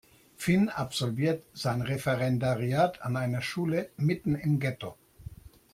Finn absolviert sein Referendariat an einer Schule mitten im Ghetto.